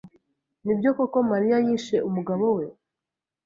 Nibyo koko Mariya yishe umugabo we?